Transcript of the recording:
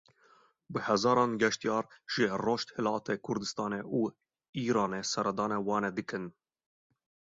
Bi hezaran geştyar ji Rojhilatê Kurdistanê û Îranê serdana Wanê dikin.